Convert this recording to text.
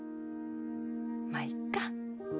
まぁいっか。